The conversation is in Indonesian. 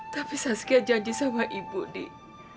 tapi sasuke janji sama ibu dik